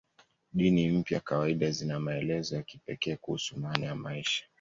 Dini mpya kawaida zina maelezo ya kipekee kuhusu maana ya maisha.